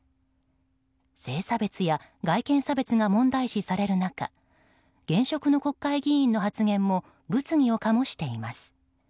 性差別や外見差別が問題視される中現職の国会議員の発言も物議を醸しています。